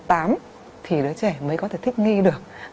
thì đứa trẻ mới có thể thích nghi được